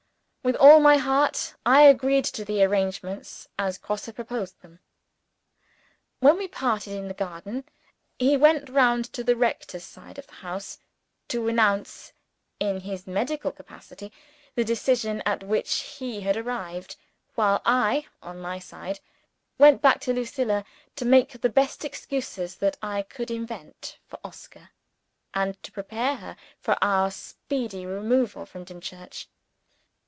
With all my heart I agreed to the arrangements as Grosse proposed them. When we parted in the garden, he went round to the rector's side of the house to announce (in his medical capacity) the decision at which he had arrived while I, on my side, went back to Lucilla to make the best excuses that I could invent for Oscar, and to prepare her for our speedy removal from Dimchurch.